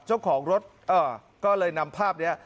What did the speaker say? เจ้าของรถก็เลยนำภาพนี้